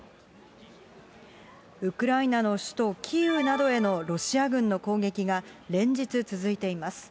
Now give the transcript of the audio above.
ウクライナの首都キーウなどへのロシア軍の攻撃が連日続いています。